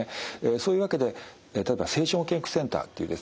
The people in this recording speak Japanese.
そういうわけで例えば精神保健福祉センターっていうですね